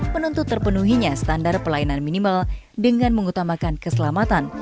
menuntut terpenuhinya standar pelayanan minimal dengan mengutamakan keselamatan